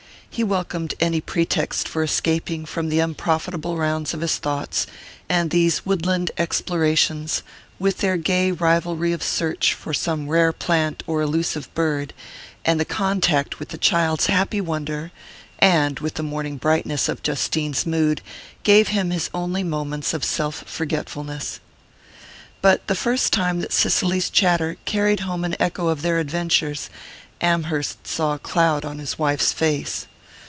He welcomed any pretext for escaping from the unprofitable round of his thoughts, and these woodland explorations, with their gay rivalry of search for some rare plant or elusive bird, and the contact with the child's happy wonder, and with the morning brightness of Justine's mood, gave him his only moments of self forgetfulness. But the first time that Cicely's chatter carried home an echo of their adventures, Amherst saw a cloud on his wife's face.